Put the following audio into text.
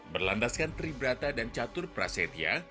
berlandaskan tribrata dan catur prasetya